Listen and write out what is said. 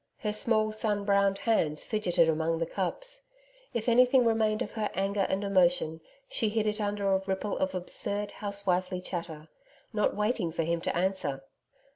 Her small sun browned hands fidgeted among the cups. If anything remained of her anger and emotion, she hid it under a ripple of absurd housewifely chatter, not waiting for him to answer.